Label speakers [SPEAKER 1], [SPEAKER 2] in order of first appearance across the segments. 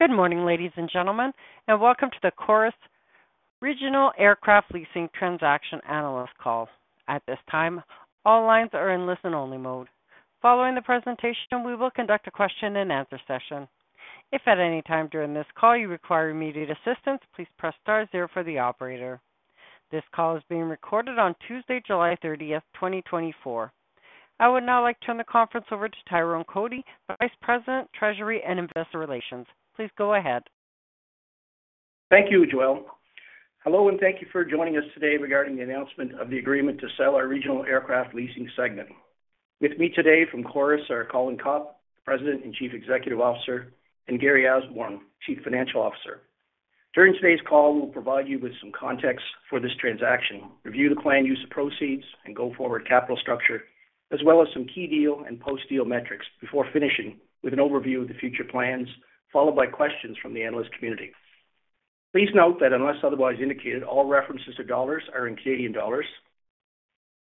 [SPEAKER 1] Good morning, ladies and gentlemen, and welcome to the Chorus Regional Aircraft Leasing Transaction Analyst call. At this time, all lines are in listen-only mode. Following the presentation, we will conduct a question-and-answer session. If at any time during this call you require immediate assistance, please press star zero for the operator. This call is being recorded on Tuesday, July 30, 2024. I would now like to turn the conference over to Tyrone Cotie, Vice President, Treasury, and Investor Relations. Please go ahead.
[SPEAKER 2] Thank you, Jolene. Hello, and thank you for joining us today regarding the announcement of the agreement to sell our regional aircraft leasing segment. With me today from Chorus are Colin Copp, President and Chief Executive Officer, and Gary Osborne, Chief Financial Officer. During today's call, we'll provide you with some context for this transaction, review the planned use of proceeds and go forward capital structure, as well as some key deal and post-deal metrics, before finishing with an overview of the future plans, followed by questions from the analyst community. Please note that unless otherwise indicated, all references to dollars are in Canadian dollars.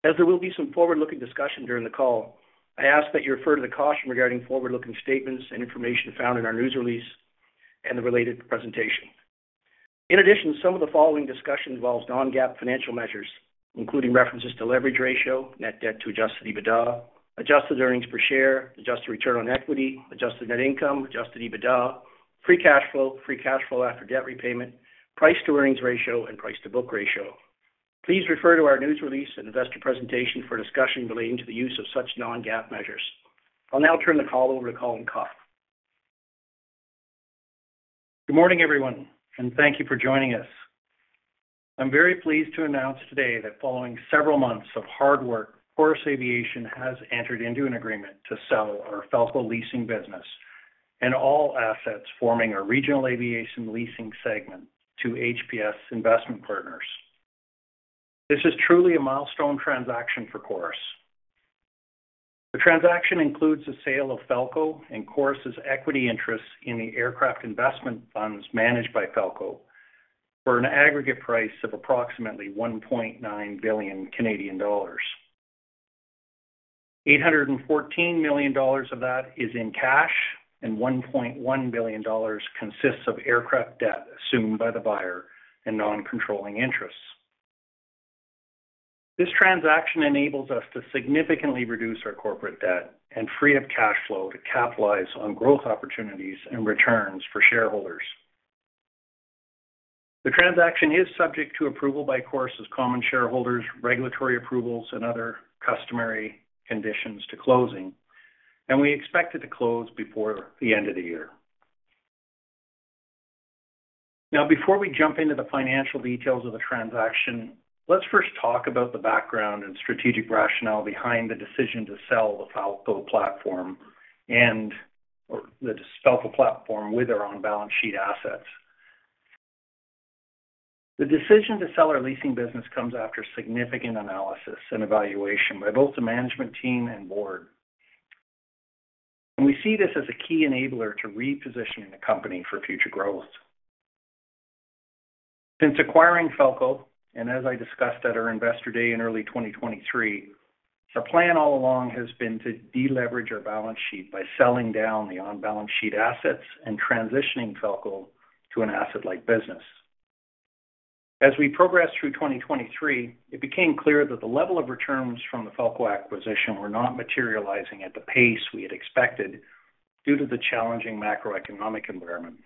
[SPEAKER 2] As there will be some forward-looking discussion during the call, I ask that you refer to the caution regarding forward-looking statements and information found in our news release and the related presentation. In addition, some of the following discussion involves non-GAAP financial measures, including references to Leverage Ratio, Net Debt to Adjusted EBITDA, Adjusted Earnings Per Share, Adjusted Return on Equity, Adjusted Net Income, Adjusted EBITDA, Free Cash Flow, free cash flow after debt repayment, Price-to-Earnings Ratio and Price-to-Book Ratio. Please refer to our news release and investor presentation for a discussion relating to the use of such non-GAAP measures. I'll now turn the call over to Colin Copp.
[SPEAKER 3] Good morning, everyone, and thank you for joining us. I'm very pleased to announce today that following several months of hard work, Chorus Aviation has entered into an agreement to sell our Falko Leasing business and all assets forming our regional aviation leasing segment to HPS Investment Partners. This is truly a milestone transaction for Chorus. The transaction includes the sale of Falko and Chorus's equity interest in the aircraft investment funds managed by Falko for an aggregate price of approximately 1.9 billion Canadian dollars. 814 million dollars of that is in cash, and 1.1 billion dollars consists of aircraft debt assumed by the buyer and non-controlling interests. This transaction enables us to significantly reduce our corporate debt and free up cash flow to capitalize on growth opportunities and returns for shareholders. The transaction is subject to approval by Chorus's common shareholders, regulatory approvals and other customary conditions to closing, and we expect it to close before the end of the year. Now, before we jump into the financial details of the transaction, let's first talk about the background and strategic rationale behind the decision to sell the Falko platform or the Falko platform with our on-balance sheet assets. The decision to sell our leasing business comes after significant analysis and evaluation by both the management team and board. We see this as a key enabler to repositioning the company for future growth. Since acquiring Falko, and as I discussed at our Investor Day in early 2023, the plan all along has been to deleverage our balance sheet by selling down the on-balance sheet assets and transitioning Falko to an asset-light business. As we progressed through 2023, it became clear that the level of returns from the Falko acquisition were not materializing at the pace we had expected due to the challenging macroeconomic environment.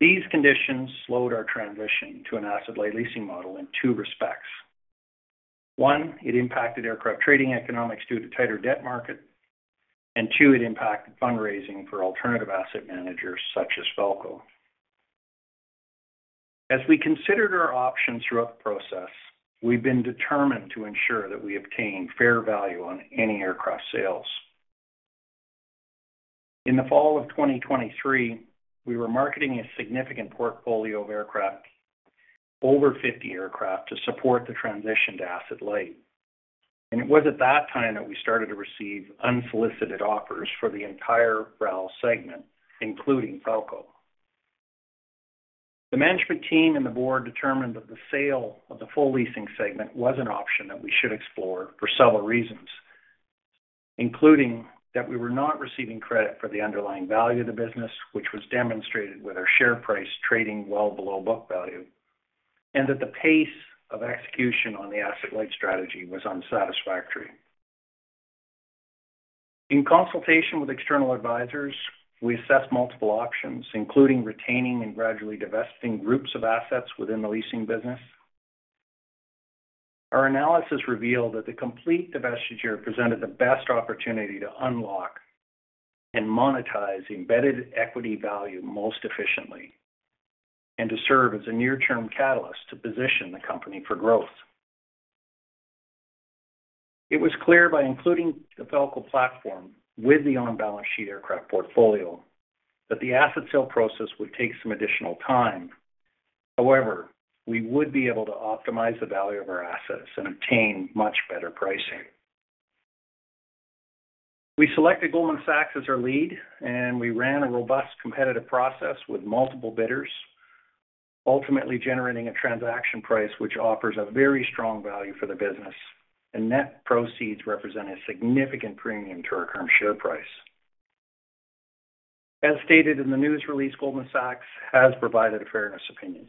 [SPEAKER 3] These conditions slowed our transition to an asset-light leasing model in two respects. One, it impacted aircraft trading economics due to tighter debt market, and two, it impacted fundraising for alternative asset managers such as Falko. As we considered our options throughout the process, we've been determined to ensure that we obtain fair value on any aircraft sales. In the fall of 2023, we were marketing a significant portfolio of aircraft, over 50 aircraft, to support the transition to asset-light, and it was at that time that we started to receive unsolicited offers for the entire RAL segment, including Falko. The management team and the board determined that the sale of the full leasing segment was an option that we should explore for several reasons, including that we were not receiving credit for the underlying value of the business, which was demonstrated with our share price trading well below book value, and that the pace of execution on the asset-light strategy was unsatisfactory. In consultation with external advisors, we assessed multiple options, including retaining and gradually divesting groups of assets within the leasing business. Our analysis revealed that the complete divestiture presented the best opportunity to unlock and monetize the embedded equity value most efficiently and to serve as a near-term catalyst to position the company for growth. It was clear by including the Falko platform with the on-balance sheet aircraft portfolio, that the asset sale process would take some additional time. However, we would be able to optimize the value of our assets and obtain much better pricing. We selected Goldman Sachs as our lead, and we ran a robust competitive process with multiple bidders, ultimately generating a transaction price, which offers a very strong value for the business, and net proceeds represent a significant premium to our current share price. As stated in the news release, Goldman Sachs has provided a fairness opinion.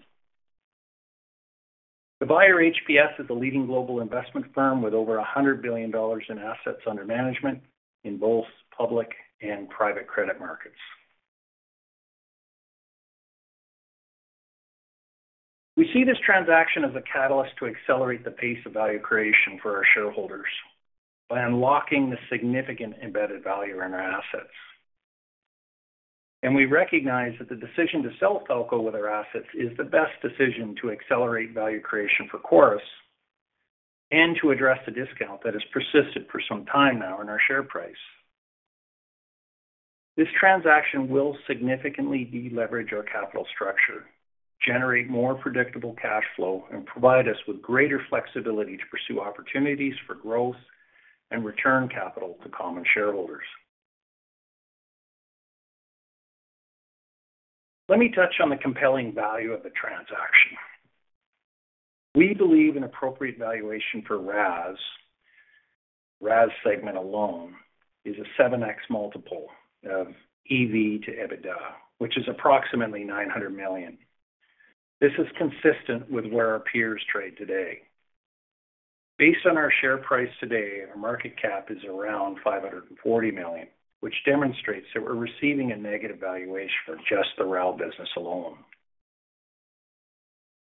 [SPEAKER 3] The buyer, HPS, is a leading global investment firm with over 100 billion dollars in assets under management in both public and private credit markets. We see this transaction as a catalyst to accelerate the pace of value creation for our shareholders by unlocking the significant embedded value in our assets. We recognize that the decision to sell Falko with our assets is the best decision to accelerate value creation for Chorus and to address the discount that has persisted for some time now in our share price. This transaction will significantly deleverage our capital structure, generate more predictable cash flow, and provide us with greater flexibility to pursue opportunities for growth and return capital to common shareholders. Let me touch on the compelling value of the transaction. We believe an appropriate valuation for RAS, RAS segment alone, is a 7x multiple of EV to EBITDA, which is approximately 900 million. This is consistent with where our peers trade today. Based on our share price today, our market cap is around 540 million, which demonstrates that we're receiving a negative valuation for just the RAL business alone.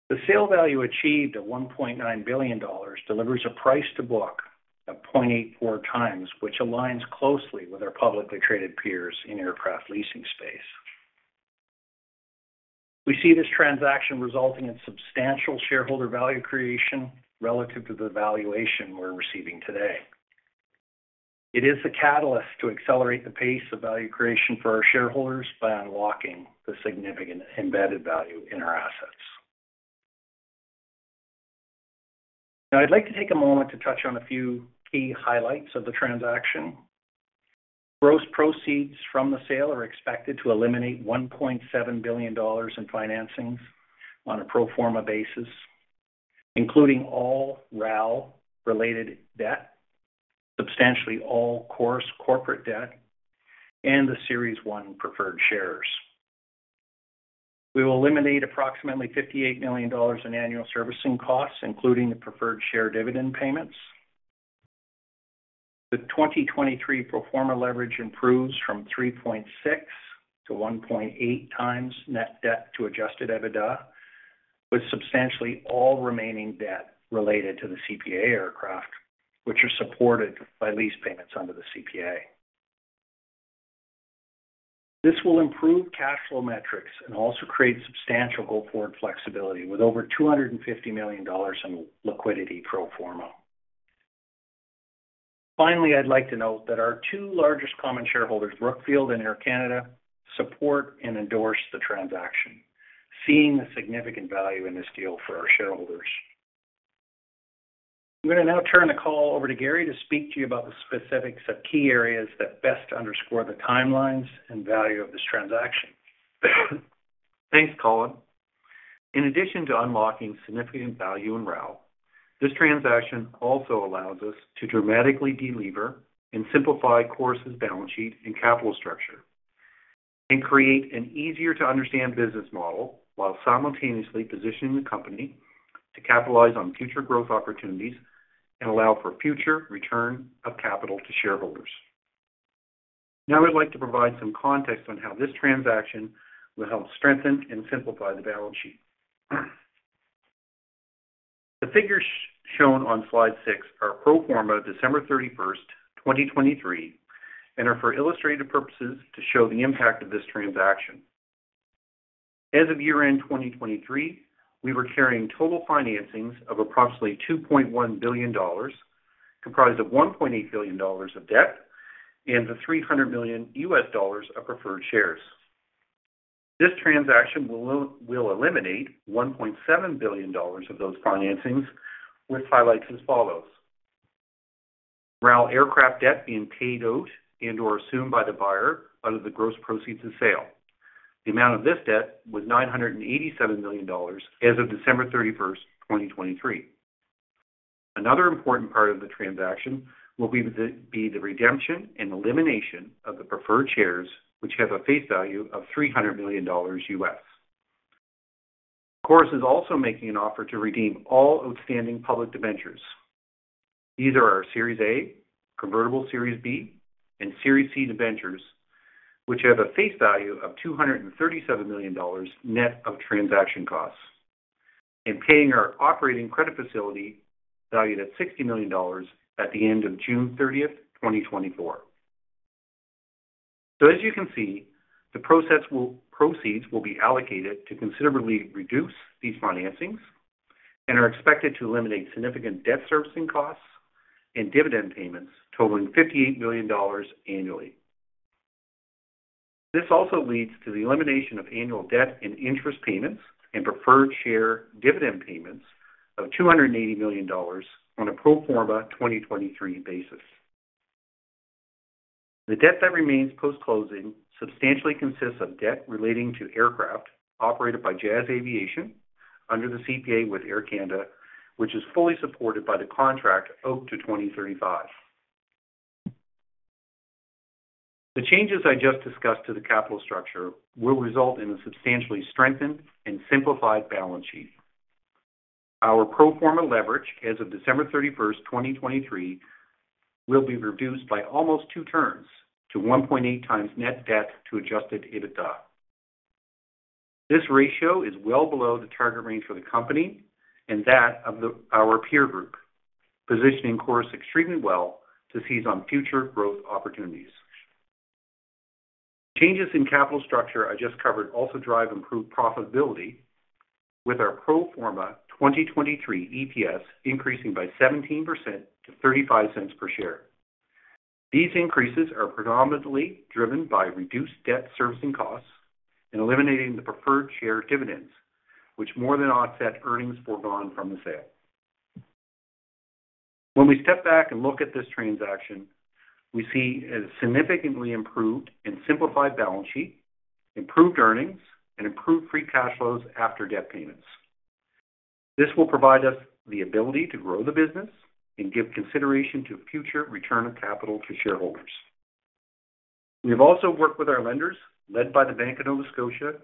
[SPEAKER 3] The sale value achieved at 1.9 billion dollars delivers a price to book of 0.84 times, which aligns closely with our publicly traded peers in aircraft leasing space. We see this transaction resulting in substantial shareholder value creation relative to the valuation we're receiving today. It is a catalyst to accelerate the pace of value creation for our shareholders by unlocking the significant embedded value in our assets. Now, I'd like to take a moment to touch on a few key highlights of the transaction. Gross proceeds from the sale are expected to eliminate 1.7 billion dollars in financings on a pro forma basis, including all RAL-related debt, substantially all Chorus corporate debt, and the Series 1 Preferred Shares. We will eliminate approximately 58 million dollars in annual servicing costs, including the preferred share dividend payments. The 2023 pro forma leverage improves from 3.6x-1.8x net debt to Adjusted EBITDA, with substantially all remaining debt related to the CPA aircraft, which are supported by lease payments under the CPA. This will improve cash flow metrics and also create substantial go-forward flexibility with over 250 million dollars in liquidity pro forma. Finally, I'd like to note that our two largest common shareholders, Brookfield and Air Canada, support and endorse the transaction, seeing the significant value in this deal for our shareholders. I'm going to now turn the call over to Gary to speak to you about the specifics of key areas that best underscore the timelines and value of this transaction.
[SPEAKER 4] Thanks, Colin. In addition to unlocking significant value in RAL, this transaction also allows us to dramatically delever and simplify Chorus's balance sheet and capital structure, and create an easier-to-understand business model, while simultaneously positioning the company to capitalize on future growth opportunities and allow for future return of capital to shareholders. Now, I'd like to provide some context on how this transaction will help strengthen and simplify the balance sheet. The figures shown on slide 6 are pro forma, December 31, 2023, and are for illustrative purposes to show the impact of this transaction. As of year-end 2023, we were carrying total financings of approximately 2.1 billion dollars, comprised of 1.8 billion dollars of debt and CAD 300 million of preferred shares. This transaction will eliminate 1.7 billion dollars of those financings, with highlights as follows: RAL aircraft debt being paid out and/or assumed by the buyer out of the gross proceeds of sale. The amount of this debt was 987 million dollars as of December 31, 2023. Another important part of the transaction will be the redemption and elimination of the preferred shares, which have a face value of 300 million dollars. Chorus is also making an offer to redeem all outstanding public debentures. These are our Series A, convertible Series B, and Series C debentures, which have a face value of 237 million dollars, net of transaction costs, and paying our operating credit facility valued at 60 million dollars at the end of June 30, 2024. So as you can see, the proceeds will be allocated to considerably reduce these financings and are expected to eliminate significant debt servicing costs and dividend payments totaling 58 million dollars annually. This also leads to the elimination of annual debt and interest payments and preferred share dividend payments of 280 million dollars on a pro forma 2023 basis. The debt that remains post-closing substantially consists of debt relating to aircraft operated by Jazz Aviation under the CPA with Air Canada, which is fully supported by the contract out to 2035. The changes I just discussed to the capital structure will result in a substantially strengthened and simplified balance sheet. Our pro forma leverage as of December 31, 2023, will be reduced by almost 2 turns to 1.8 times net debt to Adjusted EBITDA. This ratio is well below the target range for the company and that of the, our peer group, positioning Chorus extremely well to seize on future growth opportunities. Changes in capital structure I just covered also drive improved profitability with our pro forma 2023 EPS increasing by 17% to 0.35 per share. These increases are predominantly driven by reduced debt servicing costs and eliminating the preferred share dividends, which more than offset earnings foregone from the sale. When we step back and look at this transaction, we see a significantly improved and simplified balance sheet, improved earnings, and improved free cash flows after debt payments. This will provide us the ability to grow the business and give consideration to future return of capital to shareholders. We have also worked with our lenders, led by The Bank of Nova Scotia,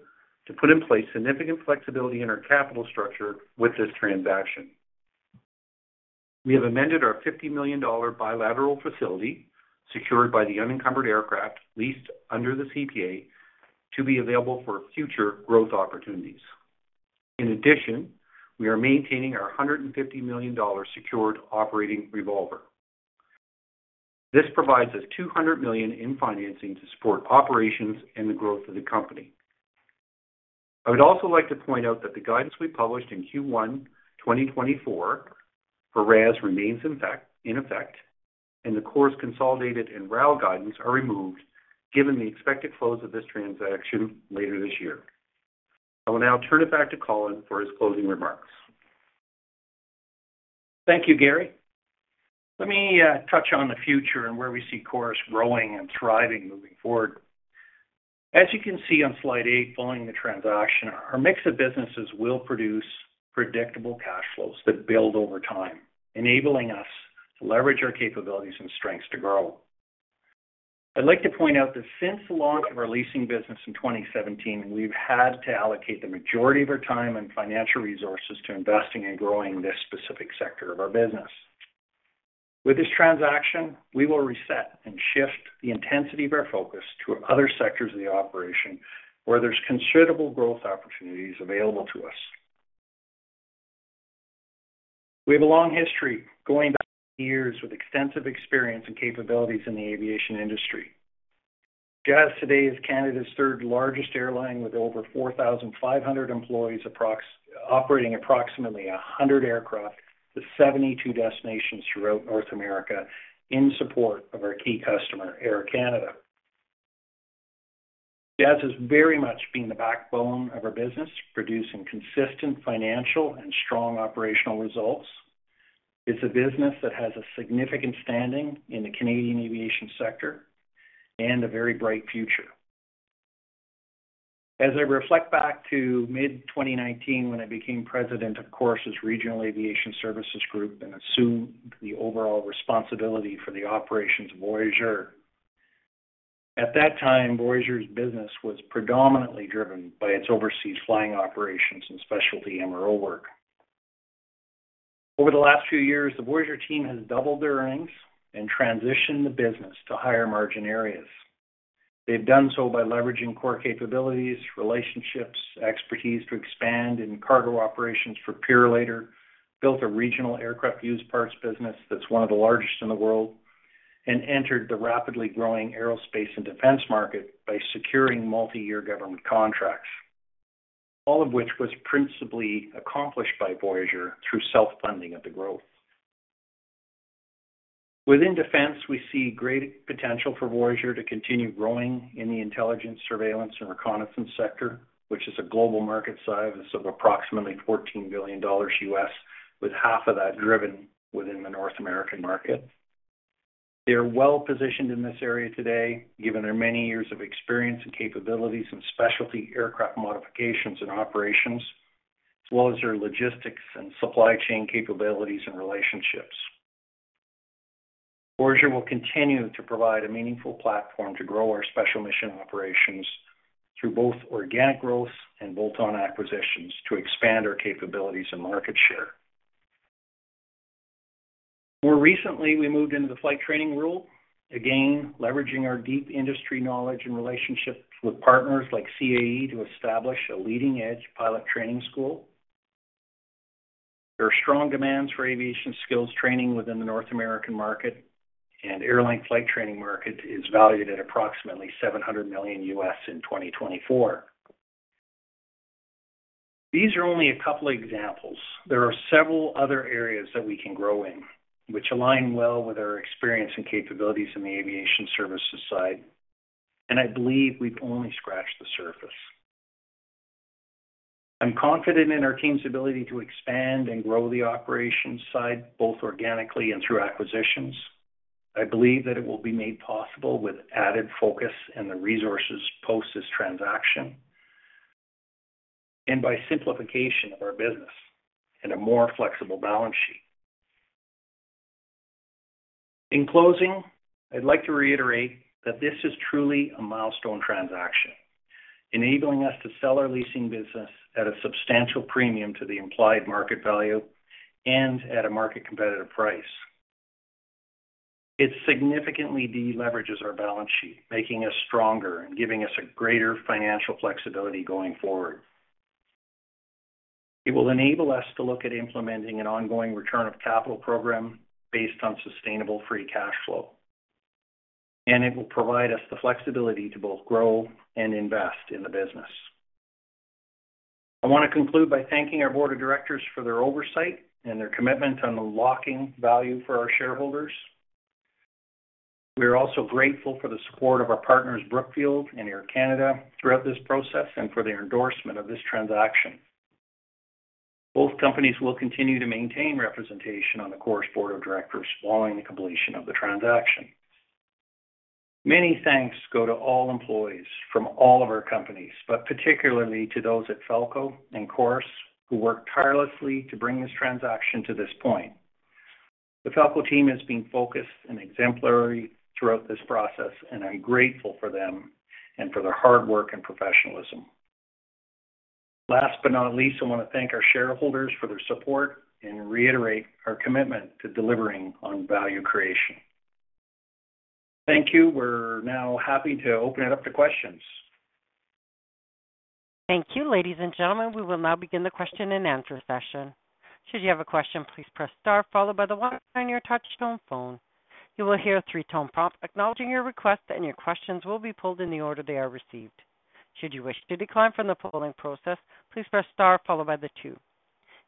[SPEAKER 4] to put in place significant flexibility in our capital structure with this transaction. We have amended our 50 million dollar bilateral facility, secured by the unencumbered aircraft leased under the CPA, to be available for future growth opportunities. In addition, we are maintaining our 150 million dollars secured operating revolver. This provides us CAD 200 million in financing to support operations and the growth of the company. I would also like to point out that the guidance we published in Q1 2024 for RAS remains, in fact, in effect, and the Chorus consolidated and RAL guidance are removed, given the expected close of this transaction later this year. I will now turn it back to Colin for his closing remarks.
[SPEAKER 3] Thank you, Gary. Let me touch on the future and where we see Chorus growing and thriving moving forward. As you can see on slide eight, following the transaction, our mix of businesses will produce predictable cash flows that build over time, enabling us to leverage our capabilities and strengths to grow. I'd like to point out that since the launch of our leasing business in 2017, we've had to allocate the majority of our time and financial resources to investing and growing this specific sector of our business. With this transaction, we will reset and shift the intensity of our focus to other sectors of the operation, where there's considerable growth opportunities available to us. We have a long history going back years with extensive experience and capabilities in the aviation industry. Jazz today is Canada's third-largest airline, with over 4,500 employees, operating approximately 100 aircraft to 72 destinations throughout North America in support of our key customer, Air Canada. Jazz has very much been the backbone of our business, producing consistent financial and strong operational results. It's a business that has a significant standing in the Canadian aviation sector and a very bright future. As I reflect back to mid-2019, when I became president of Chorus' Regional Aviation Services Group and assumed the overall responsibility for the operations of Voyageur. At that time, Voyageur's business was predominantly driven by its overseas flying operations and specialty MRO work. Over the last few years, the Voyageur team has doubled their earnings and transitioned the business to higher margin areas. They've done so by leveraging core capabilities, relationships, expertise to expand in cargo operations for Purolator, built a regional aircraft used parts business that's one of the largest in the world, and entered the rapidly growing aerospace and defense market by securing multiyear government contracts. All of which was principally accomplished by Voyageur through self-funding of the growth. Within defense, we see great potential for Voyageur to continue growing in the intelligence, surveillance, and reconnaissance sector, which is a global market size of approximately CAD 14 billion, with half of that driven within the North American market. They are well-positioned in this area today, given their many years of experience and capabilities in specialty aircraft modifications and operations, as well as their logistics and supply chain capabilities and relationships. Voyageur will continue to provide a meaningful platform to grow our special mission operations through both organic growth and bolt-on acquisitions to expand our capabilities and market share. More recently, we moved into the flight training role, again, leveraging our deep industry knowledge and relationships with partners like CAE to establish a leading-edge pilot training school. There are strong demands for aviation skills training within the North American market, and airline flight training market is valued at approximately 700 million in 2024. These are only a couple of examples. There are several other areas that we can grow in, which align well with our experience and capabilities in the aviation services side, and I believe we've only scratched the surface.... I'm confident in our team's ability to expand and grow the operations side, both organically and through acquisitions. I believe that it will be made possible with added focus and the resources post this transaction, and by simplification of our business and a more flexible balance sheet. In closing, I'd like to reiterate that this is truly a milestone transaction, enabling us to sell our leasing business at a substantial premium to the implied market value and at a market competitive price. It significantly deleverages our balance sheet, making us stronger and giving us a greater financial flexibility going forward. It will enable us to look at implementing an ongoing return of capital program based on sustainable free cash flow, and it will provide us the flexibility to both grow and invest in the business. I want to conclude by thanking our board of directors for their oversight and their commitment on unlocking value for our shareholders. We are also grateful for the support of our partners, Brookfield and Air Canada, throughout this process and for their endorsement of this transaction. Both companies will continue to maintain representation on the Chorus board of directors following the completion of the transaction. Many thanks go to all employees from all of our companies, but particularly to those at Falko and Chorus, who worked tirelessly to bring this transaction to this point. The Falko team has been focused and exemplary throughout this process, and I'm grateful for them and for their hard work and professionalism. Last but not least, I want to thank our shareholders for their support and reiterate our commitment to delivering on value creation. Thank you. We're now happy to open it up to questions.
[SPEAKER 1] Thank you, ladies and gentlemen. We will now begin the question-and-answer session. Should you have a question, please press star followed by the one on your touchtone phone. You will hear a three-tone prompt acknowledging your request, and your questions will be pulled in the order they are received. Should you wish to decline from the polling process, please press star followed by the two.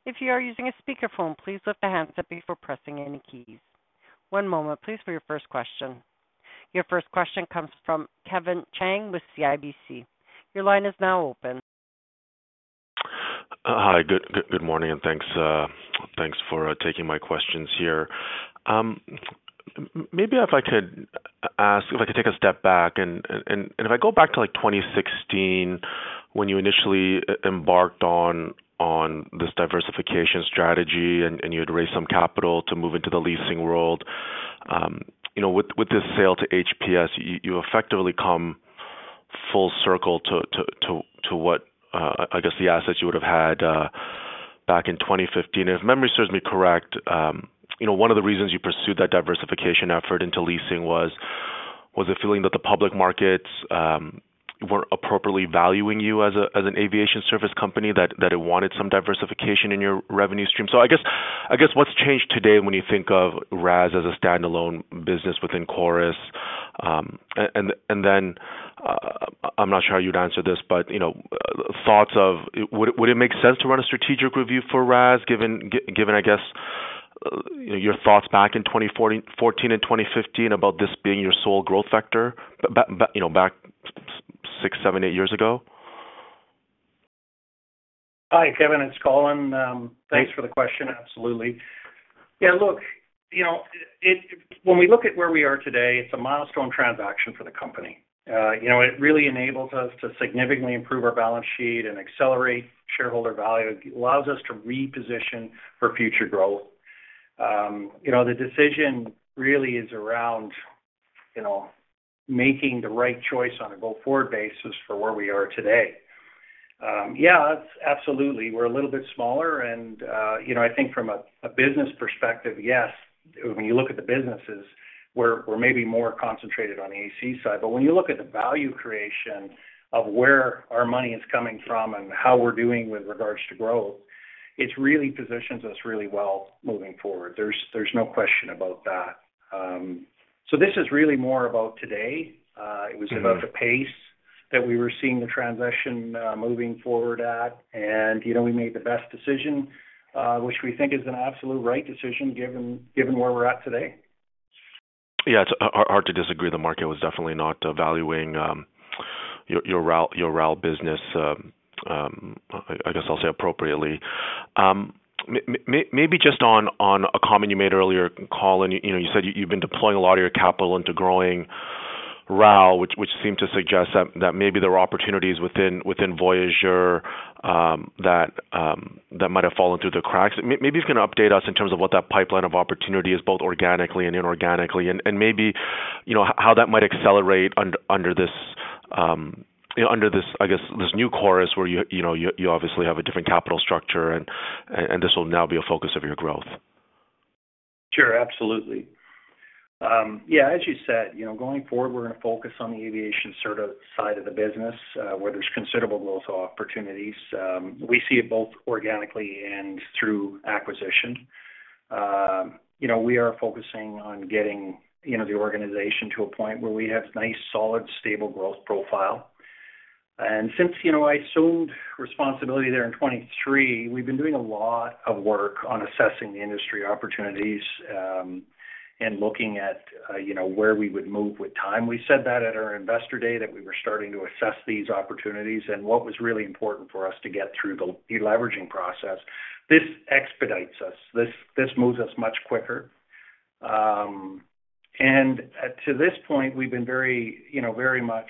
[SPEAKER 1] If you are using a speakerphone, please lift the handset before pressing any keys. One moment, please, for your first question. Your first question comes from Kevin Chiang with CIBC. Your line is now open.
[SPEAKER 5] Hi, good morning, and thanks for taking my questions here. Maybe if I could ask, if I could take a step back and if I go back to, like, 2016, when you initially embarked on this diversification strategy, and you had raised some capital to move into the leasing world. You know, with this sale to HPS, you effectively come full circle to what I guess the assets you would have had back in 2015. If memory serves me correct, you know, one of the reasons you pursued that diversification effort into leasing was a feeling that the public markets weren't appropriately valuing you as an aviation service company, that it wanted some diversification in your revenue stream. So, I guess what's changed today when you think of RAS as a standalone business within Chorus? And then, I'm not sure how you'd answer this, but, you know, thoughts of would it make sense to run a strategic review for RAS, given I guess your thoughts back in 2014 and 2015 about this being your sole growth factor, back, you know, back 6, 7, 8 years ago?
[SPEAKER 3] Hi, Kevin, it's Colin. Thanks for the question. Absolutely. Yeah, look, you know, it, when we look at where we are today, it's a milestone transaction for the company. You know, it really enables us to significantly improve our balance sheet and accelerate shareholder value. It allows us to reposition for future growth. You know, the decision really is around, you know, making the right choice on a go-forward basis for where we are today. Yeah, it's absolutely, we're a little bit smaller, and, you know, I think from a business perspective, yes, when you look at the businesses, we're maybe more concentrated on the AC side. But when you look at the value creation of where our money is coming from and how we're doing with regards to growth, it really positions us really well moving forward. There's no question about that. So this is really more about today. It was about the pace that we were seeing the transaction moving forward at, and, you know, we made the best decision, which we think is an absolute right decision, given where we're at today.
[SPEAKER 5] Yeah, it's hard to disagree. The market was definitely not valuing your RAL business appropriately. Maybe just on a comment you made earlier, Colin, you know, you said you've been deploying a lot of your capital into growing RAL, which seemed to suggest that maybe there are opportunities within Voyageur that might have fallen through the cracks. Maybe you can update us in terms of what that pipeline of opportunity is, both organically and inorganically, and maybe, you know, how that might accelerate under this, you know, under this, I guess, this new Chorus, where you know you obviously have a different capital structure, and this will now be a focus of your growth.
[SPEAKER 3] Sure, absolutely. Yeah, as you said, you know, going forward, we're going to focus on the aviation service side of the business, where there's considerable growth opportunities. We see it both organically and through acquisition. You know, we are focusing on getting, you know, the organization to a point where we have nice, solid, stable growth profile. And since, you know, I assumed responsibility there in 2023, we've been doing a lot of work on assessing the industry opportunities and looking at, you know, where we would move with time. We said that at our investor day, that we were starting to assess these opportunities, and what was really important for us to get through the deleveraging process. This expedites us. This, this moves us much quicker. And, to this point, we've been very, you know, very much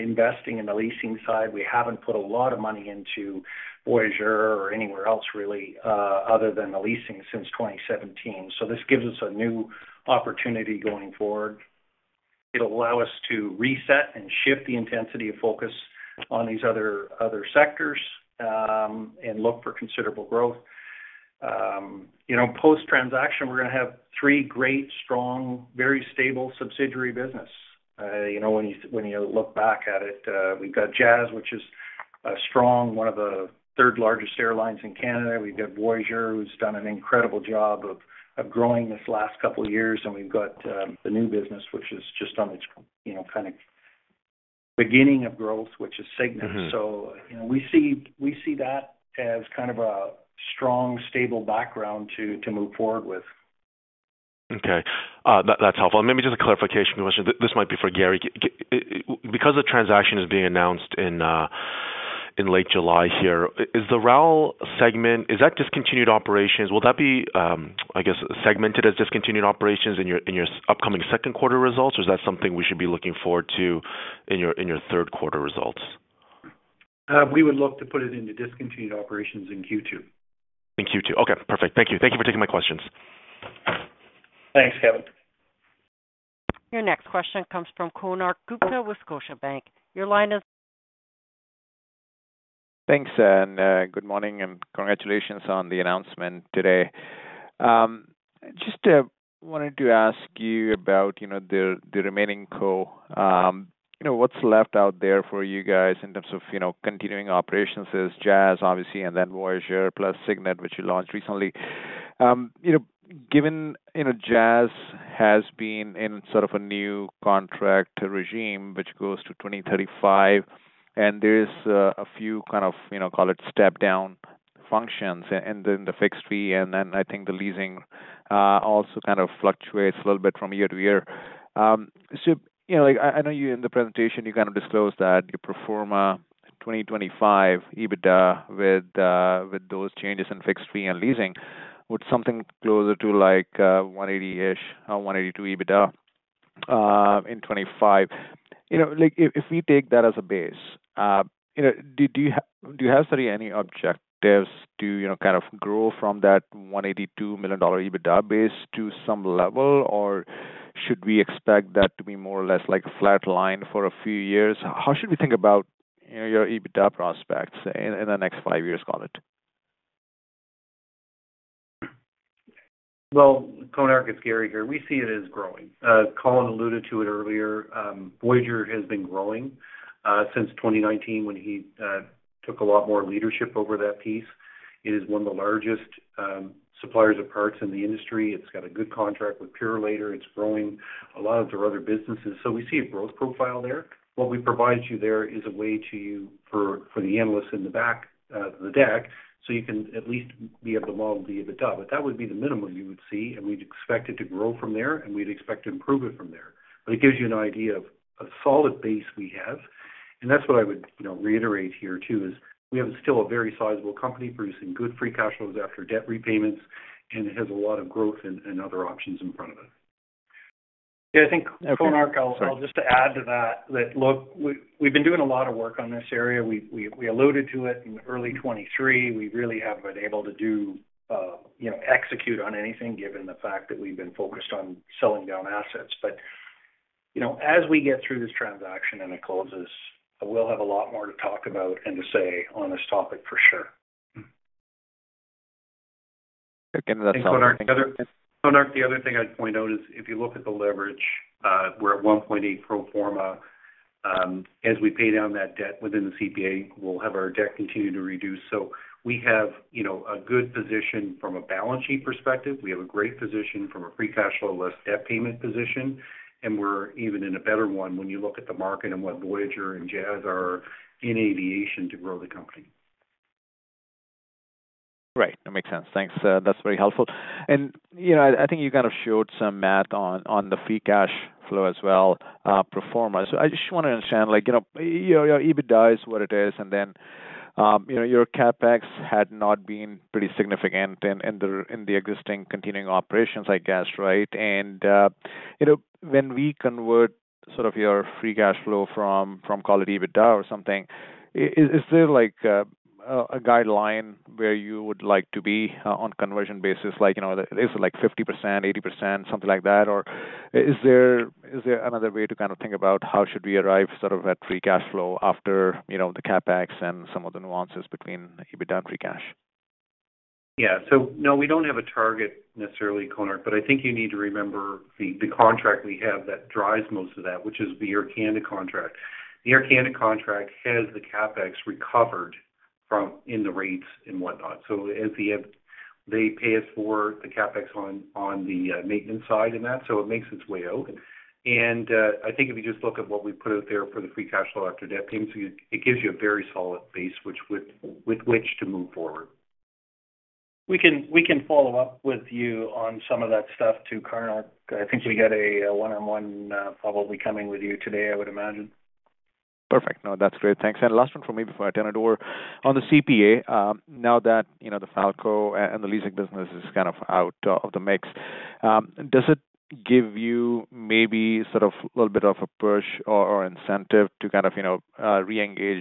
[SPEAKER 3] investing in the leasing side. We haven't put a lot of money into Voyageur or anywhere else really, other than the leasing since 2017. So this gives us a new opportunity going forward. It'll allow us to reset and shift the intensity of focus on these other, other sectors, and look for considerable growth. You know, post-transaction, we're gonna have three great, strong, very stable subsidiary business. You know, when you, when you look back at it, we've got Jazz, which is, strong, one of the third-largest airlines in Canada. We've got Voyageur, who's done an incredible job of, of growing this last couple of years, and we've got, the new business, which is just on its, you know, kind of beginning of growth, which is Cygnet.
[SPEAKER 5] Mm-hmm.
[SPEAKER 3] You know, we see that as kind of a strong, stable background to move forward with.
[SPEAKER 5] Okay. That, that's helpful. And maybe just a clarification question. This might be for Gary. Because the transaction is being announced in late July here, is the RAL segment, is that discontinued operations? Will that be, I guess, segmented as discontinued operations in your, in your upcoming second quarter results, or is that something we should be looking forward to in your, in your third quarter results?
[SPEAKER 4] We would look to put it into discontinued operations in Q2.
[SPEAKER 5] In Q2. Okay, perfect. Thank you. Thank you for taking my questions.
[SPEAKER 3] Thanks, Kevin.
[SPEAKER 1] Your next question comes from Konark Gupta with Scotiabank. Your line is-
[SPEAKER 6] Thanks, and good morning, and congratulations on the announcement today. Just wanted to ask you about, you know, the remaining company. You know, what's left out there for you guys in terms of, you know, continuing operations is Jazz, obviously, and then Voyageur, plus Cygnet, which you launched recently. You know, given, you know, Jazz has been in sort of a new contract regime, which goes to 2035, and there is a few kind of, you know, call it, step down functions, and then the fixed fee, and then I think the leasing also kind of fluctuates a little bit from year to year. So, you know, like I know you in the presentation, you kind of disclosed that your pro forma 2025 EBITDA with those changes in fixed fee and leasing, with something closer to like 180-ish or 182 EBITDA in 2025. You know, like if we take that as a base, you know, do you have set any objectives to, you know, kind of grow from that 182 million dollar EBITDA base to some level? Or should we expect that to be more or less like flat lined for a few years? How should we think about, you know, your EBITDA prospects in the next five years, call it?
[SPEAKER 4] Well, Konark, it's Gary here. We see it as growing. Colin alluded to it earlier. Voyageur has been growing, since 2019, when he took a lot more leadership over that piece. It is one of the largest, suppliers of parts in the industry. It's got a good contract with Purolator. It's growing a lot of their other businesses, so we see a growth profile there. What we provide you there is a way to you, for, for the analysts in the back, the deck, so you can at least be able to model the EBITDA. But that would be the minimum you would see, and we'd expect it to grow from there, and we'd expect to improve it from there. But it gives you an idea of a solid base we have, and that's what I would, you know, reiterate here, too, is we have still a very sizable company producing good free cash flows after debt repayments, and it has a lot of growth and other options in front of us.
[SPEAKER 3] Yeah, I think, Konark- Okay. Sorry. I'll just add to that, look, we've been doing a lot of work on this area. We alluded to it in early 2023. We really haven't been able to do, you know, execute on anything given the fact that we've been focused on selling down assets. But, you know, as we get through this transaction and it closes, I will have a lot more to talk about and to say on this topic for sure.
[SPEAKER 6] Again, that's-
[SPEAKER 3] Konark, the other thing I'd point out is, if you look at the leverage, we're at 1.8 pro forma. As we pay down that debt within the CPA, we'll have our debt continue to reduce. So we have, you know, a good position from a balance sheet perspective. We have a great position from a free cash flow less debt payment position, and we're even in a better one when you look at the market and what Voyageur and Jazz are in aviation to grow the company.
[SPEAKER 6] Right, that makes sense. Thanks. That's very helpful. And, you know, I think you kind of showed some math on the free cash flow as well, pro forma. So I just want to understand, like, you know, your EBITDA is what it is, and then, you know, your CapEx had not been pretty significant in the existing continuing operations, I guess, right? And, you know, when we convert sort of your free cash flow from call it EBITDA or something, is there like a guideline where you would like to be on conversion basis? Like, you know, is it like 50%, 80%, something like that, or is there, is there another way to kind of think about how should we arrive sort of at free cash flow after, you know, the CapEx and some of the nuances between EBITDA and free cash?
[SPEAKER 3] Yeah. So no, we don't have a target necessarily, Konark, but I think you need to remember the contract we have that drives most of that, which is the Air Canada contract. The Air Canada contract has the CapEx recovered from in the rates and whatnot. So at the end, they pay us for the CapEx on the maintenance side and that, so it makes its way out. And I think if you just look at what we put out there for the free cash flow after debt payments, it gives you a very solid base, with which to move forward. We can follow up with you on some of that stuff, too, Konark. I think we got a one-on-one probably coming with you today, I would imagine.
[SPEAKER 6] Perfect. No, that's great. Thanks. And last one for me before I turn it over. On the CPA, now that, you know, the Falko and the leasing business is kind of out of the mix, does it give you maybe sort of a little bit of a push or, or incentive to kind of, you know, reengage,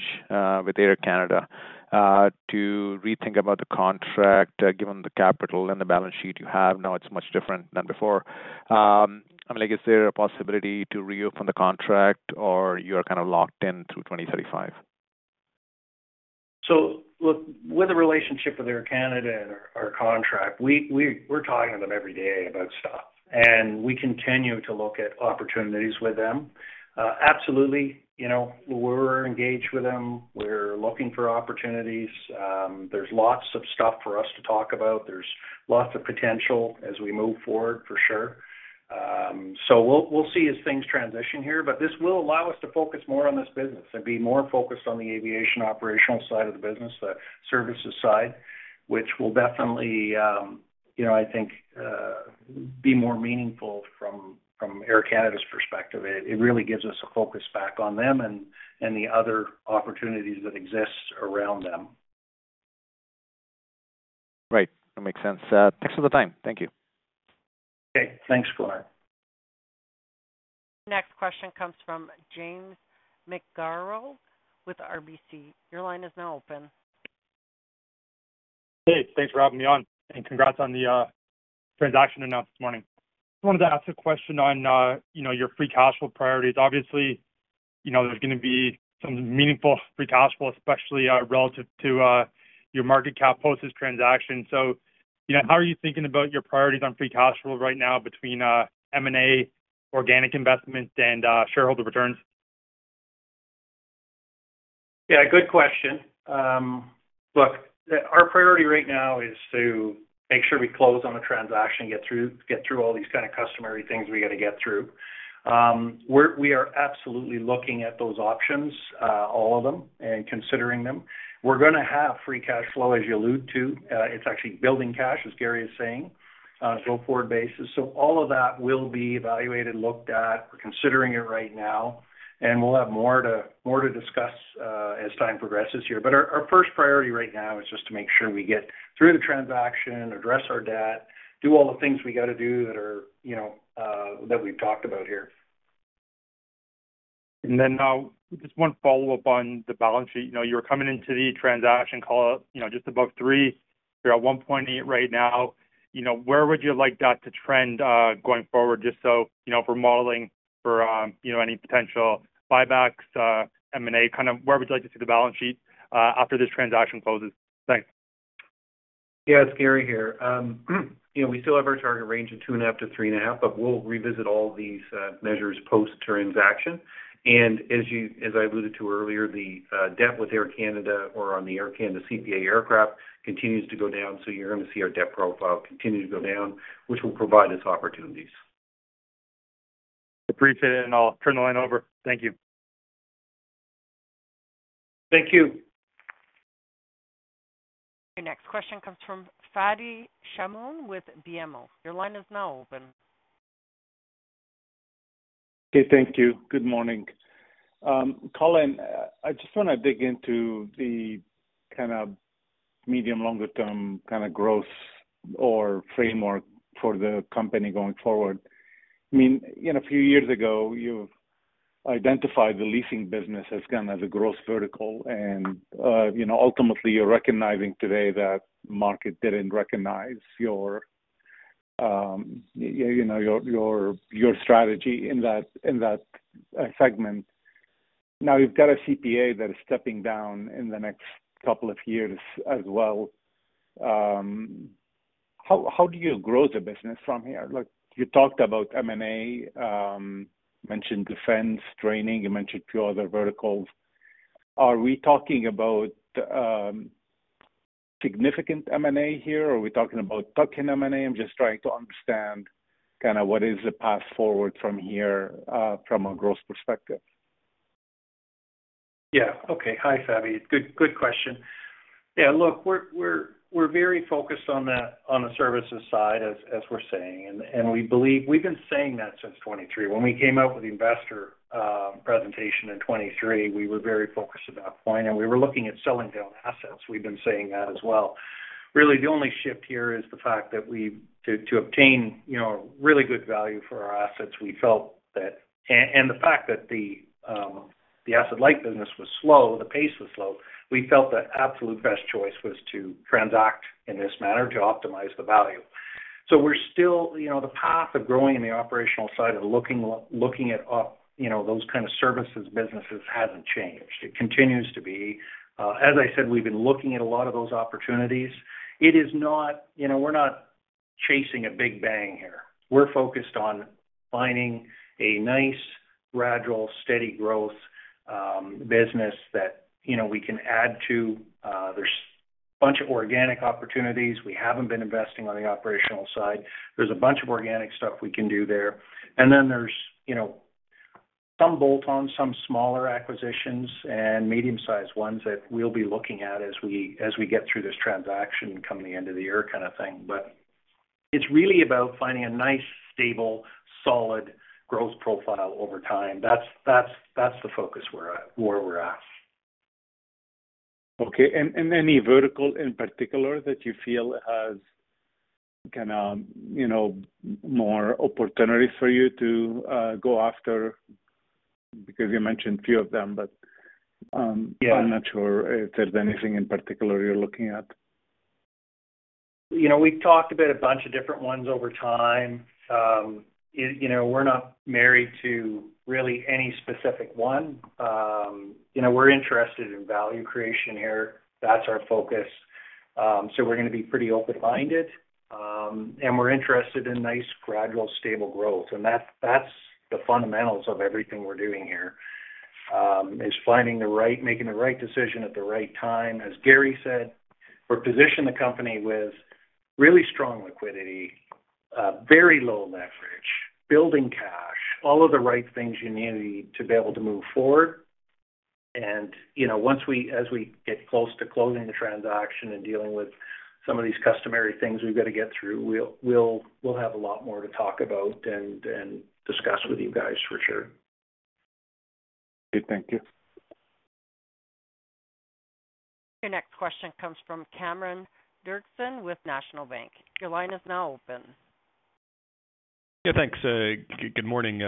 [SPEAKER 6] with Air Canada, to rethink about the contract, given the capital and the balance sheet you have now it's much different than before? I mean, like, is there a possibility to reopen the contract, or you're kind of locked in through 2035?
[SPEAKER 3] So look, with the relationship with Air Canada and our contract, we're talking to them every day about stuff, and we continue to look at opportunities with them. Absolutely, you know, we're engaged with them. We're looking for opportunities. There's lots of stuff for us to talk about. There's lots of potential as we move forward for sure. So we'll see as things transition here, but this will allow us to focus more on this business and be more focused on the aviation operational side of the business, the services side, which will definitely, you know, I think, be more meaningful from Air Canada's perspective. It really gives us a focus back on them and the other opportunities that exist around them.
[SPEAKER 6] Right. That makes sense. Thanks for the time. Thank you.
[SPEAKER 3] Okay, thanks, Konark.
[SPEAKER 1] Next question comes from James McGarragle with RBC. Your line is now open.
[SPEAKER 7] Hey, thanks for having me on, and congrats on the transaction announced this morning. I wanted to ask a question on, you know, your free cash flow priorities. Obviously, you know, there's gonna be some meaningful free cash flow, especially relative to your market cap post this transaction. So, you know, how are you thinking about your priorities on free cash flow right now between M&A, organic investment, and shareholder returns?
[SPEAKER 3] Yeah, good question. Look, our priority right now is to make sure we close on the transaction, get through all these kind of customary things we got to get through. We're absolutely looking at those options, all of them, and considering them. We're gonna have free cash flow, as you allude to. It's actually building cash, as Gary is saying, go forward basis. So all of that will be evaluated, looked at. We're considering it right now, and we'll have more to discuss, as time progresses here. But our first priority right now is just to make sure we get through the transaction, address our debt, do all the things we got to do that are, you know, that we've talked about here.
[SPEAKER 7] And then, just one follow-up on the balance sheet. You know, you were coming into the transaction call, you know, just above three. You're at 1.8 right now. You know, where would you like that to trend, going forward? Just so, you know, for modeling for, you know, any potential buybacks, M&A, kind of, where would you like to see the balance sheet, after this transaction closes? Thanks.
[SPEAKER 4] Yeah, it's Gary here. You know, we still have our target range of 2.5-3.5, but we'll revisit all these measures post-transaction. And as I alluded to earlier, the debt with Air Canada or on the Air Canada CPA aircraft continues to go down, so you're gonna see our debt profile continue to go down, which will provide us opportunities.
[SPEAKER 7] Appreciate it, and I'll turn the line over. Thank you.
[SPEAKER 3] Thank you.
[SPEAKER 1] Your next question comes from Fadi Chamoun with BMO. Your line is now open.
[SPEAKER 8] Okay, thank you. Good morning. Colin, I just wanna dig into the kind of medium, longer term, kind of, growth or framework for the company going forward. I mean, you know, a few years ago, you identified the leasing business as kind of the growth vertical, and, you know, ultimately, you're recognizing today that market didn't recognize your, you know, your strategy in that segment. Now, you've got a CPA that is stepping down in the next couple of years as well. How do you grow the business from here? Like, you talked about M&A, mentioned defense, training, you mentioned a few other verticals. Are we talking about significant M&A here, or are we talking about tuck-in M&A? I'm just trying to understand kind of what is the path forward from here, from a growth perspective.
[SPEAKER 3] Yeah. Okay. Hi, Fadi. Good question. Yeah, look, we're very focused on the services side, as we're saying, and we believe... We've been saying that since 2023. When we came out with the investor presentation in 2023, we were very focused at that point, and we were looking at selling down assets. We've been saying that as well. Really, the only shift here is the fact that we to obtain, you know, really good value for our assets, we felt that and the fact that the asset light business was slow, the pace was slow, we felt the absolute best choice was to transact in this manner to optimize the value. So we're still, you know, the path of growing in the operational side and looking up, you know, those kind of services businesses hasn't changed. It continues to be, as I said, we've been looking at a lot of those opportunities. It is not. You know, we're not chasing a big bang here. We're focused on finding a nice, gradual, steady growth, business that, you know, we can add to. There's a bunch of organic opportunities. We haven't been investing on the operational side. There's a bunch of organic stuff we can do there. And then there's, you know. Some bolt-on, some smaller acquisitions and medium-sized ones that we'll be looking at as we, as we get through this transaction coming the end of the year kind of thing. But it's really about finding a nice, stable, solid growth profile over time. That's, that's, that's the focus where, where we're at.
[SPEAKER 8] Okay. And any vertical in particular that you feel has kind of, you know, more opportunities for you to go after? Because you mentioned a few of them, but-
[SPEAKER 3] Yeah.
[SPEAKER 8] I'm not sure if there's anything in particular you're looking at.
[SPEAKER 3] You know, we've talked about a bunch of different ones over time. You know, we're not married to really any specific one. You know, we're interested in value creation here. That's our focus. So we're gonna be pretty open-minded, and we're interested in nice, gradual, stable growth. And that, that's the fundamentals of everything we're doing here, is finding the right-- making the right decision at the right time. As Gary said, we're positioning the company with really strong liquidity, very low leverage, building cash, all of the right things you need to be able to move forward. And, you know, once we-- as we get close to closing the transaction and dealing with some of these customary things we've got to get through, we'll, we'll, we'll have a lot more to talk about and, and discuss with you guys for sure.
[SPEAKER 8] Okay, thank you.
[SPEAKER 1] Your next question comes from Cameron Doerksen with National Bank. Your line is now open.
[SPEAKER 9] Yeah, thanks. Good morning.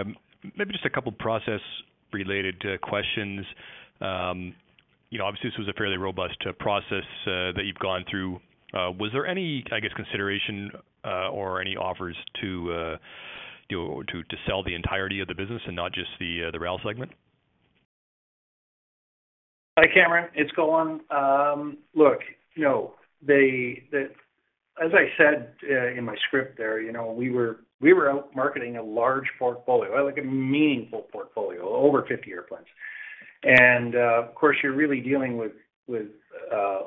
[SPEAKER 9] Maybe just a couple process-related questions. You know, obviously, this was a fairly robust process that you've gone through. Was there any, I guess, consideration or any offers to, you know, to sell the entirety of the business and not just the RAL segment?
[SPEAKER 3] Hi, Cameron. It's Colin. Look, you know, they. As I said, in my script there, you know, we were out marketing a large portfolio, like, a meaningful portfolio, over 50 airplanes. And, of course, you're really dealing with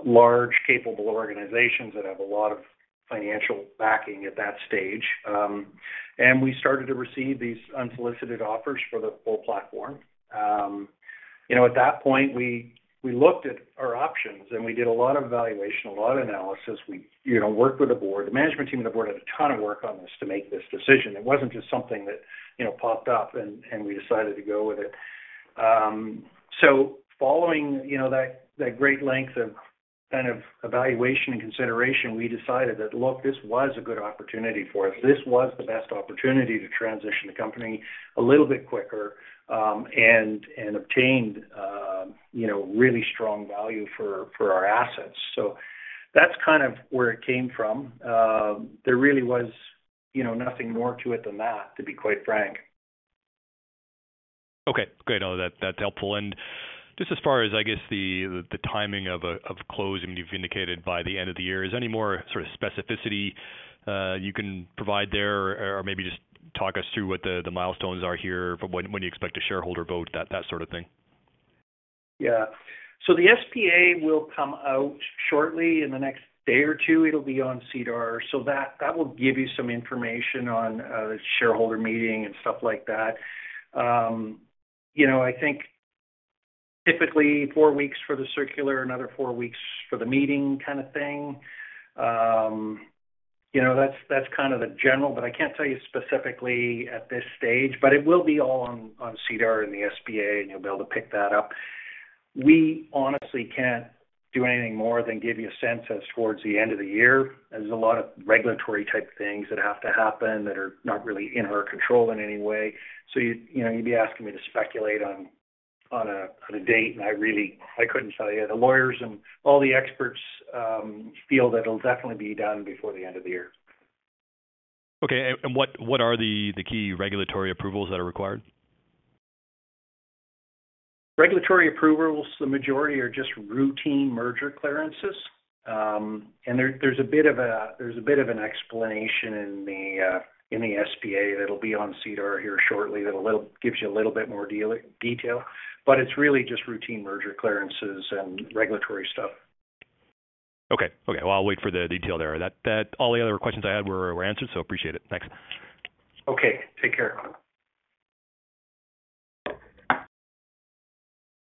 [SPEAKER 3] large, capable organizations that have a lot of financial backing at that stage. And we started to receive these unsolicited offers for the full platform. You know, at that point, we looked at our options, and we did a lot of valuation, a lot of analysis. We, you know, worked with the board. The management team and the board did a ton of work on this to make this decision. It wasn't just something that, you know, popped up and we decided to go with it. So following, you know, that great length of kind of evaluation and consideration, we decided that, look, this was a good opportunity for us. This was the best opportunity to transition the company a little bit quicker, and obtained, you know, really strong value for our assets. So that's kind of where it came from. There really was, you know, nothing more to it than that, to be quite frank.
[SPEAKER 9] Okay, great. No, that's helpful. And just as far as, I guess, the timing of closing, you've indicated by the end of the year. Is there any more sort of specificity you can provide there, or maybe just talk us through what the milestones are here, for when you expect a shareholder vote, that sort of thing?
[SPEAKER 3] Yeah. So the SPA will come out shortly in the next day or two. It'll be on SEDAR+, so that, that will give you some information on, shareholder meeting and stuff like that. You know, I think typically four weeks for the circular, another four weeks for the meeting kind of thing. You know, that's, that's kind of the general, but I can't tell you specifically at this stage, but it will be all on, on SEDAR+ and the SPA, and you'll be able to pick that up. We honestly can't do anything more than give you a sense as towards the end of the year. There's a lot of regulatory type things that have to happen that are not really in our control in any way. So you know, you'd be asking me to speculate on a date, and I really couldn't tell you. The lawyers and all the experts feel that it'll definitely be done before the end of the year.
[SPEAKER 9] Okay, and what are the key regulatory approvals that are required?
[SPEAKER 3] Regulatory approvals, the majority are just routine merger clearances. And there, there's a bit of an explanation in the SPA, that'll be on SEDAR here shortly, that'll gives you a little bit more deal detail, but it's really just routine merger clearances and regulatory stuff.
[SPEAKER 9] Okay. Okay, well, I'll wait for the detail there. That... All the other questions I had were answered, so appreciate it. Thanks.
[SPEAKER 3] Okay, take care, Cameron.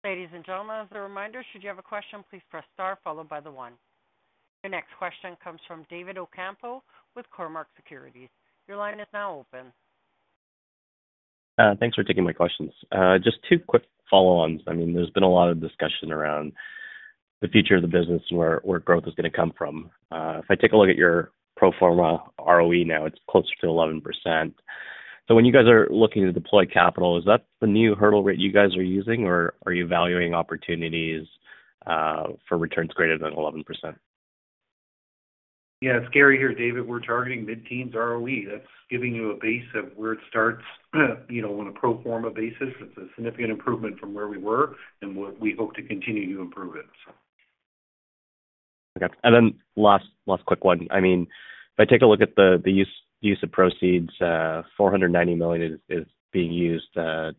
[SPEAKER 1] Ladies and gentlemen, as a reminder, should you have a question, please press star followed by the one. Your next question comes from David Ocampo with Cormark Securities. Your line is now open.
[SPEAKER 10] Thanks for taking my questions. Just two quick follow-ons. I mean, there's been a lot of discussion around the future of the business, where growth is gonna come from. If I take a look at your pro forma ROE now, it's closer to 11%. So when you guys are looking to deploy capital, is that the new hurdle rate you guys are using, or are you evaluating opportunities for returns greater than 11%?
[SPEAKER 4] Yeah, it's Gary here, David. We're targeting mid-teens ROE. That's giving you a base of where it starts, you know, on a pro forma basis. It's a significant improvement from where we were and what we hope to continue to improve it, so.
[SPEAKER 9] Okay, and then last quick one. I mean, if I take a look at the use of proceeds, 490 million is being used to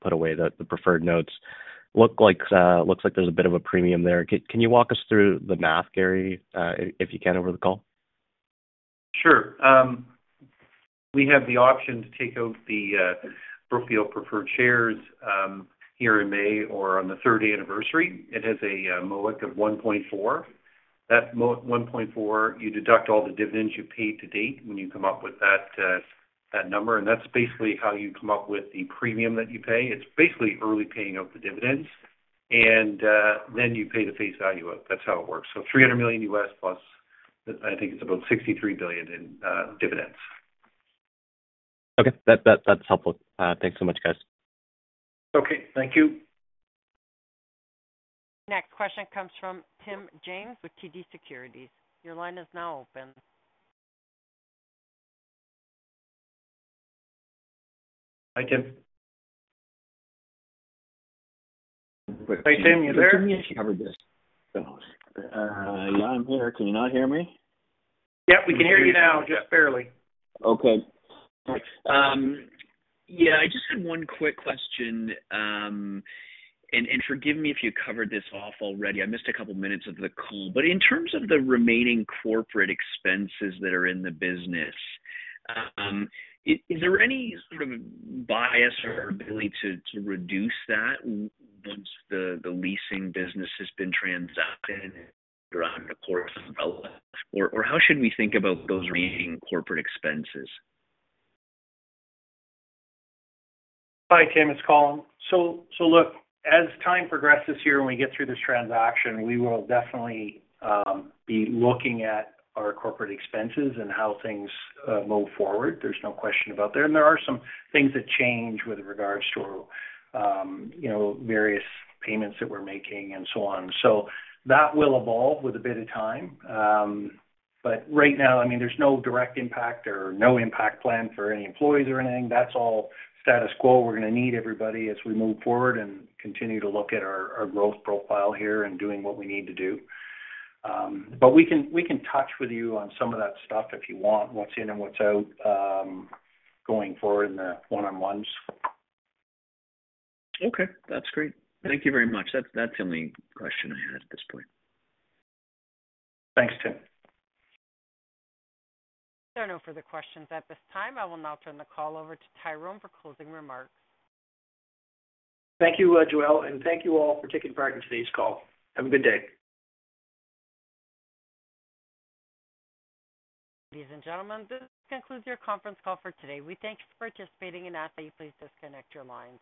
[SPEAKER 9] put away the preferred notes. Looks like there's a bit of a premium there. Can you walk us through the math, Gary, if you can, over the call?...
[SPEAKER 4] Sure. We have the option to take out the Brookfield preferred shares here in May or on the third anniversary. It has a MOIC of 1.4. That 1.4, you deduct all the dividends you paid to date when you come up with that number, and that's basically how you come up with the premium that you pay. It's basically early paying off the dividends, and then you pay the face value out. That's how it works. So 300 million plus, I think it's about 63 million in dividends.
[SPEAKER 10] Okay, that's helpful. Thanks so much, guys.
[SPEAKER 3] Okay, thank you.
[SPEAKER 1] Next question comes from Tim James with TD Securities. Your line is now open.
[SPEAKER 3] Hi, Tim. Hey, Tim, you there?
[SPEAKER 11] I'm here. Can you not hear me?
[SPEAKER 3] Yep, we can hear you now, just barely.
[SPEAKER 11] Okay. Yeah, I just had one quick question. And forgive me if you covered this off already. I missed a couple minutes of the call. But in terms of the remaining corporate expenses that are in the business, is there any sort of basis or ability to reduce that once the leasing business has been transacted around the Chorus? Or how should we think about those remaining corporate expenses?
[SPEAKER 3] Hi, Tim, it's Colin. So look, as time progresses here, when we get through this transaction, we will definitely be looking at our corporate expenses and how things move forward. There's no question about that. And there are some things that change with regards to you know, various payments that we're making and so on. So that will evolve with a bit of time. But right now, I mean, there's no direct impact or no impact plan for any employees or anything. That's all status quo. We're gonna need everybody as we move forward and continue to look at our growth profile here and doing what we need to do. But we can touch with you on some of that stuff if you want, what's in and what's out going forward in the one-on-ones.
[SPEAKER 11] Okay, that's great. Thank you very much. That's, that's the only question I had at this point.
[SPEAKER 3] Thanks, Tim.
[SPEAKER 1] There are no further questions at this time. I will now turn the call over to Tyrone for closing remarks.
[SPEAKER 3] Thank you, Joelle, and thank you all for taking part in today's call. Have a good day.
[SPEAKER 1] Ladies and gentlemen, this concludes your conference call for today. We thank you for participating and ask that you please disconnect your lines.